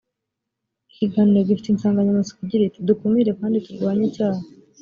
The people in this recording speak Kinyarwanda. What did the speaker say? ikiganiro gifite insangamatsiko igira iti dukumire kandi turwanye icyaha